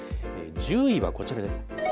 １０位はこちらです。